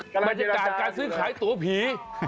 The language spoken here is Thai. การซื้อขายตั๋วผี